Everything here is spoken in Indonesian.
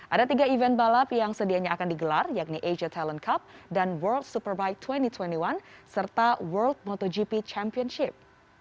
ada tiga event balap yang sedianya akan digelar yakni asia talent cup dan world superbike dua ribu dua puluh satu serta world motogp championship